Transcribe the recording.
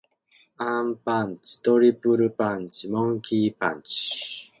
アンパンチ。トリプルパンチ。モンキー・パンチ。